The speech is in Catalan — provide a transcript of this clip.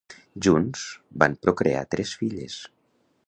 Junts van procrear tres filles.